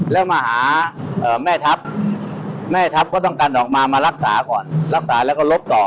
แล้วมาหาแม่ทัพแม่ทัพก็ต้องกันออกมามารักษาก่อนรักษาแล้วก็ลบต่อ